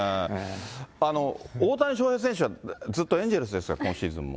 大谷翔平選手はずっとエンジェルスですか、今シーズンも。